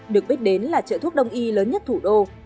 được biết đến là chợ thuốc đông y lớn nhất thủ đô